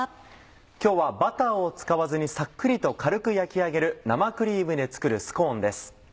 今日はバターを使わずにさっくりと軽く焼き上げる「生クリームで作るスコーン」です。